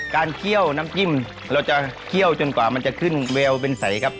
เคี่ยวน้ำจิ้มเราจะเคี่ยวจนกว่ามันจะขึ้นเวลเป็นใสครับ